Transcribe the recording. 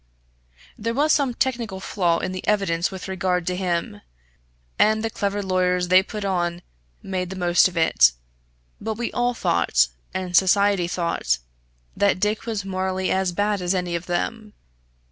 There was some technical flaw in the evidence with regard to him, and the clever lawyers they put on made the most of it; but we all thought, and society thought, that Dick was morally as bad as any of them.